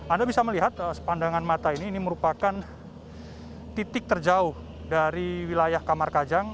anda bisa melihat sepandangan mata ini ini merupakan titik terjauh dari wilayah kamar kajang